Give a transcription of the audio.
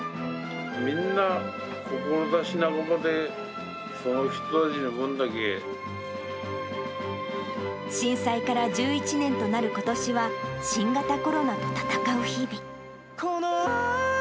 みんな、震災から１１年となることしは、新型コロナと闘う日々。